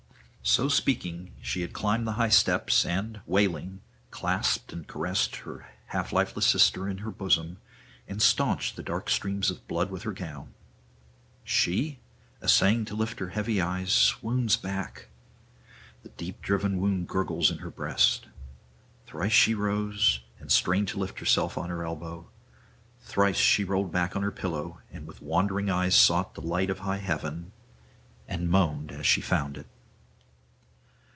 So speaking she had climbed the high steps, and, wailing, clasped and caressed her half lifeless sister in her bosom, and stanched the dark streams of blood with her gown. She, essaying to lift her heavy eyes, swoons back; the deep driven wound gurgles in her breast. Thrice she rose, and strained to lift herself on her elbow; thrice she rolled back on the pillow, and with wandering eyes sought the light of high heaven, and moaned as she found it.